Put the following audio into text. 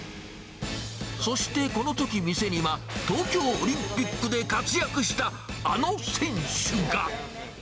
そしてこのとき、店には東京オリンピックで活躍したあの選手が。